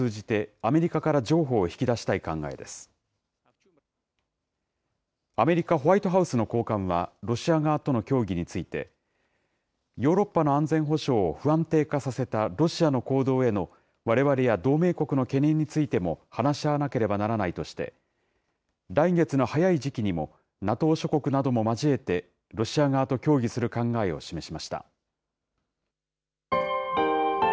アメリカ・ホワイトハウスの高官は、ロシア側との協議について、ヨーロッパの安全保障を不安定化させたロシアの行動へのわれわれや同盟国の懸念についても話し合わなければならないとして、来月の早い時期にもＮＡＴＯ諸国なども交えて、ロシア側と協議する考えを示しました。